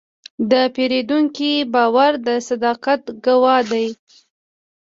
د پیرودونکي باور د صداقت ګواه دی.